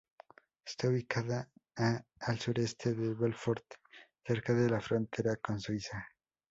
Está ubicada a al sureste de Belfort, cerca de la frontera con Suiza.